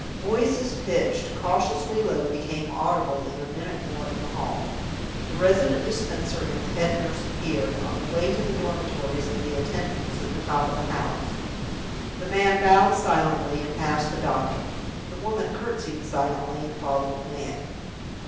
Voices pitched cautiously low became audible in a minute more in the hall. The Resident Dispenser and the Head Nurse appeared, on their way to the dormitories of the attendants at the top of the house. The man bowed silently, and passed the doctor; the woman courtesied silently, and followed the man.